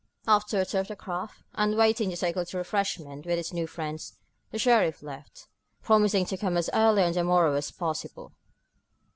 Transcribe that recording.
After a tour of the craft, and waiting to take a little refreshment with his new friends, the sheriff left, promising to come as early on the morrow as possible.